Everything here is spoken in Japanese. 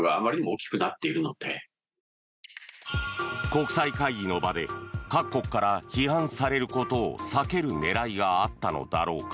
国際会議の場で各国から批判されることを避ける狙いがあったのだろうか。